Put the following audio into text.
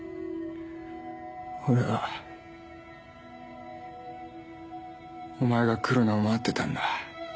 俺はお前が来るのを待ってたんだ。